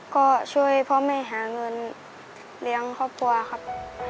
ก็ช่วยพ่อแม่หาเงินเลี้ยงครอบครัวครับ